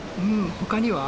他には？